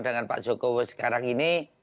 dengan pak jokowi sekarang ini